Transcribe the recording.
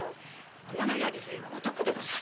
天野屋利兵衛は男でござる。